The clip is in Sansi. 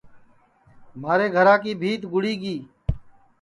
مھارے گھرا کی بھیت گُڑی گی